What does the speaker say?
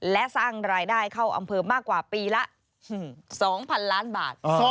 และสร้างรายได้เข้าอำเภอมากกว่าปีละ๒๐๐๐ล้านบาท